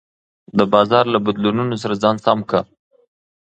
د بازار له بدلونونو سره ځان سم کړه.